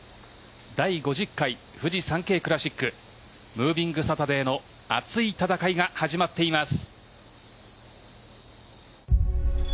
第５０回フジサンケイクラシックムービングサタデーの熱い戦いが始まっています。